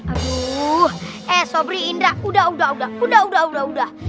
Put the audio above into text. aduh eh sobri indra udah udah